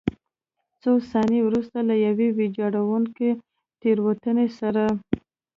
څو ثانیې وروسته له یوې ویجاړوونکې تېروتنې سره.